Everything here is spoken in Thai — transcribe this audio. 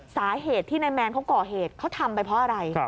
สาเหตุที่นายแมนเขาก่อเหตุเขาทำไปเพราะอะไร